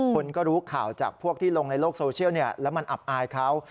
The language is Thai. คนก็รู้ข่าวจากพวกที่ลงในโลกโซเชียลแล้วมันอับอายเขา